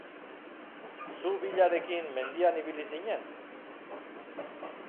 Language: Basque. Zu Villarekin mendian ibili zinen?.